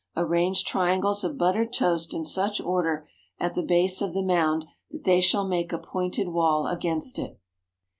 Arrange triangles of buttered toast in such order, at the base of the mound, that they shall make a pointed wall against it.